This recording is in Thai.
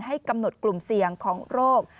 ให้กำหนดกลุ่มเสี่ยงของโรค